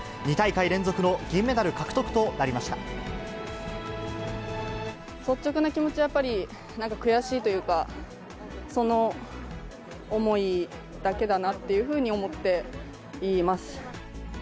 ２大会連続の銀メダル獲得となり率直な気持ちはやっぱり、なんか悔しいというか、その思いだけだなっていうふうに思っています。